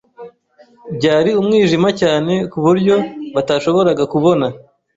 Byari umwijima cyane ku buryo batashoboraga kubona.